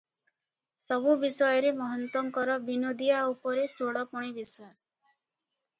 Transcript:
ସବୁ ବିଷୟରେ ମହନ୍ତଙ୍କର ବିନୋଦିଆ ଉପରେ ଷୋଳପଣି ବିଶ୍ୱାସ ।